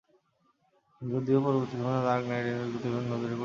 যদিও পরবর্তী বছরেই "দ্য ডার্ক নাইট" এই রেকর্ডটি ভেঙে নতুন রেকর্ড তৈরি করে।